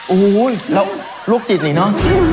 โอ้โหแล้วลูกจิตหนีนอน